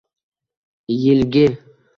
- yilgi